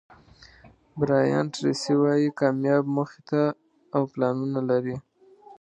برایان ټریسي وایي کامیاب موخې او پلانونه لري.